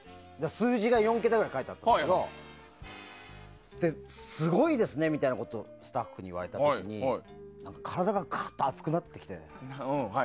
数字が４桁ぐらい書いてあったんだけどすごいですねみたいなことをスタッフに言われた時に体がカーッて熱くなってきて。